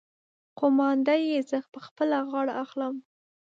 قومانده يې زه په خپله غاړه اخلم.